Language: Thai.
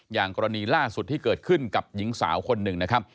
อย่างกรณีล่าสุดที่เกิดขึ้นกับหญิงสาวคนหนึ่งนะครับ